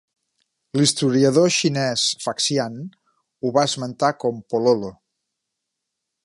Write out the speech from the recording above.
L'historiador xinès Faxian ho va esmentar com Pololo.